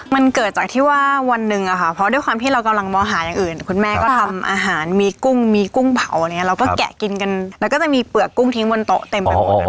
มันเกิดจากที่ว่าวันหนึ่งอะค่ะเพราะด้วยความที่เรากำลังมองหาอย่างอื่นคุณแม่ก็ทำอาหารมีกุ้งมีกุ้งเผาอะไรอย่างนี้เราก็แกะกินกันแล้วก็จะมีเปลือกกุ้งทิ้งบนโต๊ะเต็มไปหมด